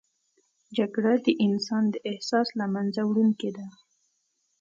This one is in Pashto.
جګړه د انسان د احساس له منځه وړونکې ده